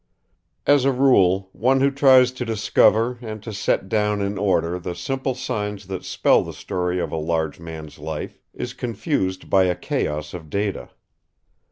As a rule, one who tries to discover and to set down in order the simple signs that spell the story of a large man's life is confused by a chaos of data.